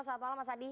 saat malam mas adi